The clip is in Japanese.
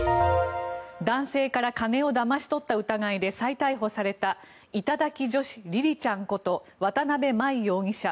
男性から金をだまし取った疑いで逮捕された頂き女子りりちゃんこと渡邊真衣容疑者。